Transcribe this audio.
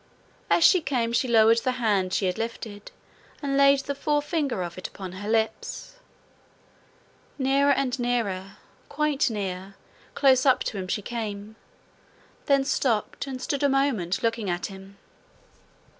As she came she lowered the hand she had lifted, and laid the forefinger of it upon her lips. Nearer and nearer, quite near, close up to him she came, then stopped, and stood a moment looking at him.